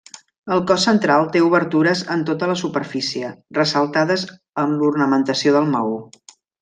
El cos central té obertures en tota la superfície, ressaltades amb l'ornamentació del maó.